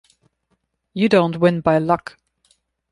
You don't win by luck.